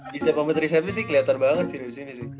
di setelan pemerintah saya sih keliatan banget sih disini sih